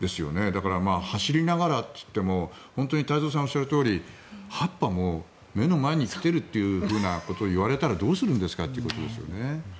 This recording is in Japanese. だから走りながらといっても太蔵さんがおっしゃるとおり第８波は目の前に来ているということを言われたらどうするんですかということですよね。